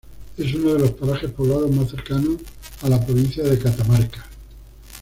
Es uno de los parajes poblados más cercanos a la provincia de Catamarca.